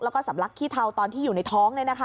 แล้วก็สำลักขี้เทาตอนที่อยู่ในท้อง